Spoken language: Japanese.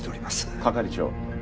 係長。